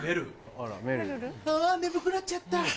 あ眠くなっちゃった